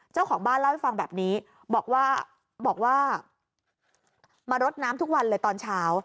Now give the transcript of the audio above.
เจ้าของบ้านเล่าให้ฟังแบบนี้บอกว่าบอกว่ามารดน้ำทุกวันเลยตอนเช้า